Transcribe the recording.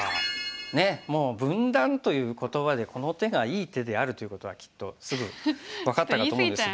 ねえもう分断という言葉でこの手がいい手であるということはきっとすぐ分かったかと思うんですが。